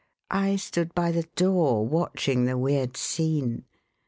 I stood by the door watching the weird scene.